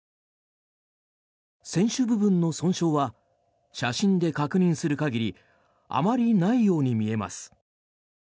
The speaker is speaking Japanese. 船首部分の損傷は写真で確認する限りあまりないように見えます。